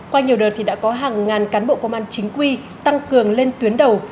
qua nhiều đợt thì đã có hàng ngàn cán bộ công an chính quy tăng cường lên tuyến đầu